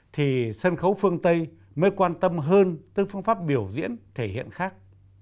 thì sân khấu phương tây mới quan tâm hơn tới phương pháp biểu diễn thể hiện khác